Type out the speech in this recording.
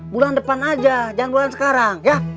bulan depan aja jangan bulan sekarang ya